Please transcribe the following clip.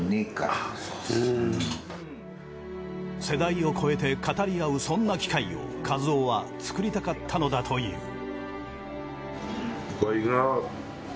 世代を超えて語り合うそんな機会を一夫は作りたかったのだという。